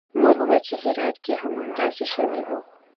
مور ویل چې هرات کې هم همداسې شوي وو